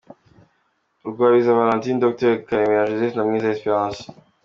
Rugwabiza Valentine, Dr Karemera Joseph na Mwiza Esperance.